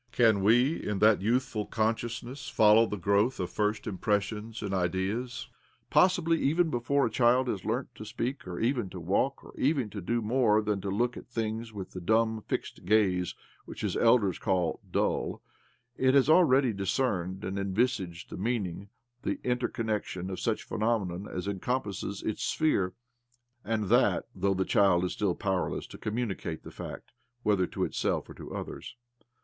Can we, in that youthful con sciousness, follow the growth of first impres sions and ideas? Possibly, even before a child has leamt to speak, or even to walk, or even to do more than to look at things with the dumb, fixed gaze which his elders call " dull," it has already discerned and en visaged the meaning, the inter connection, of such phenomena as encompass its sphere — and that though the child is still powerless to communicate the fact, whether to itself or to others.